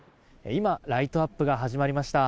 今、ライトアップが始まりました。